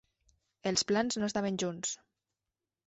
Els plans no estaven junts.